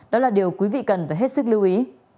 đó là điều quý vị cần phải hết sức lưu ý